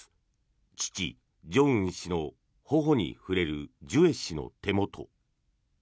父・正恩氏の頬に触れるジュエ氏の手元。